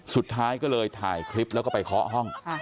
สุดท้ายก็เลยถ่ายคลิปแล้วก็ไปเคาะห้อง